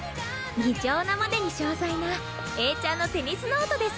異常なまでに詳細なエーちゃんのテニスノートです。